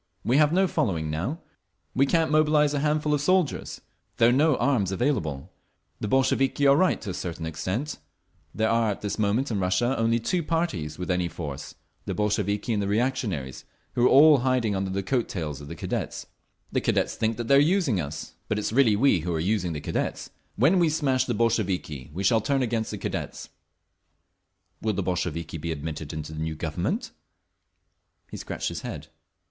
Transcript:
We have no following—now. We can't mobilise a handful of soldiers. There are no arms available…. The Bolsheviki are right to a certain extent; there are at this moment in Russia only two parties with any force—the Bolsheviki and the reactionaries, who are all hiding under the coat tails of the Cadets. The Cadets think they are using us; but it is really we who are using the Cadets. When we smash the Bolsheviki we shall turn against the Cadets…." "Will the Bolsheviki be admitted into the new Government?" He scratched his head.